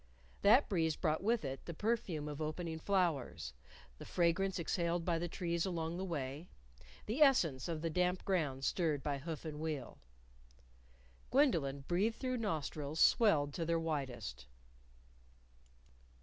That breeze brought with it the perfume of opening flowers, the fragrance exhaled by the trees along the way, the essence of the damp ground stirred by hoof and wheel. Gwendolyn breathed through nostrils swelled to their widest.